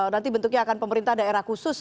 nanti bentuknya akan pemerintah daerah khusus